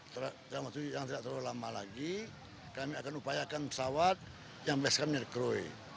tidak terlalu lama lagi kami akan upayakan pesawat yang best classnya di krui